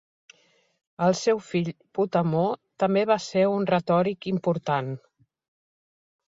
El seu fill Potamó també va ser un retòric important.